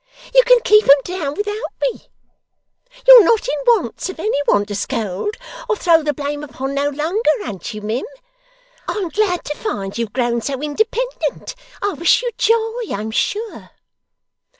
You can keep 'em down without me? You're not in wants of any one to scold, or throw the blame upon, no longer, an't you, mim? I'm glad to find you've grown so independent. I wish you joy, I'm sure!